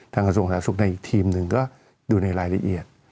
ทางกระทรวงศาสตร์ศูกในอีกทีมหนึ่งก็ดูในรายละเอียด